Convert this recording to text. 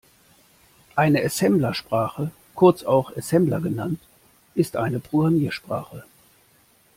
Eine Assemblersprache, kurz auch Assembler genannt, ist eine Programmiersprache.